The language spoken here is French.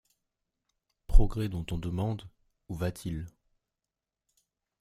Progrès dont on demande: Où va-t-il?